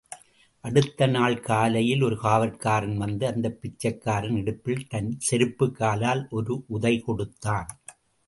அடுத்த நாள் காலையில் ஒரு காவற்காரன் வந்து அந்தப் பிச்சைக்காரன் இடுப்பில் தன் செருப்புக் காலால் ஒரு உதைகொடுத்தான்.